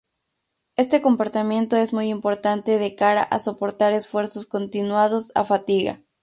Este comportamiento es muy importante de cara a soportar esfuerzos continuados a fatiga.